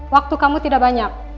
waktu kamu tidak banyak